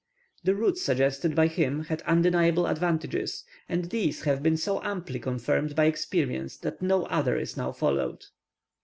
The route suggested by him had undeniable advantages, and these have been so amply confirmed by experience that no other is now followed.